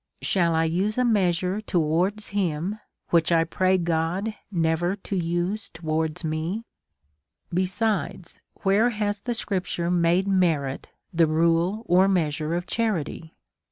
Shall I use a measure towards him, which I pray God never to use towards me ? DEVOUT AND HOLY LIFE. 83 Besides, where has the scripture made merit the rule or measure of charity